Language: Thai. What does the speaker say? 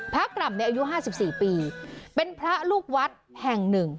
พระกรรมเนี้ยอายุห้าสิบสี่ปีเป็นพระลูกวัดแห่งหนึ่ง